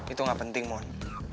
itu gak penting mon